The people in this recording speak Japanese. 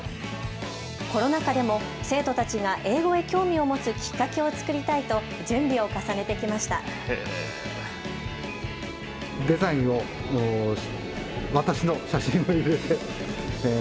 コロナ禍でも生徒たちが英語へ興味を持つきっかけを作りたいと準備を重ねてきました。